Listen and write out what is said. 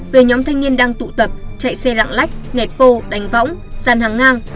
về nhóm thanh niên đang tụ tập chạy xe lặng lách nẻt vô đánh võng dàn hàng ngang